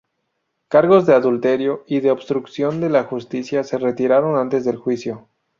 Cargos de adulterio y de obstrucción de la justicia se retiraron antes del juicio.